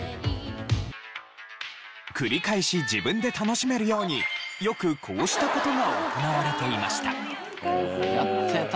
繰り返し自分で楽しめるようによくこうした事が行われていました。